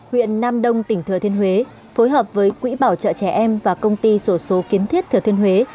huyện nam đông tỉnh thừa thiên huế phối hợp với quỹ bảo trợ trẻ em và công ty sổ số kiến thiết thừa thiên huế